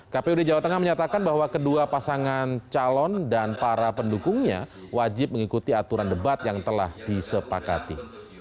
kpud jawa tengah menyatakan bahwa kedua pasangan calon dan para pendukungnya wajib mengikuti aturan debat yang telah disepakati